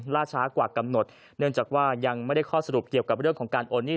ล่าช้ากว่ากำหนดเนื่องจากว่ายังไม่ได้ข้อสรุปเกี่ยวกับเรื่องของการโอนหนี้